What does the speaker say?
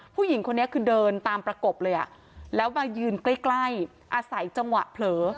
ผู้หญิงคนนี้คือเดินตามประกบเลยอ่ะแล้วมายืนใกล้อาศัยจังหวะเผลอ